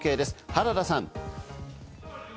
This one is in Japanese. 原田さん。